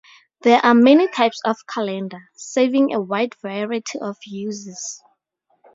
There are many types of calendar, serving a wide variety of uses.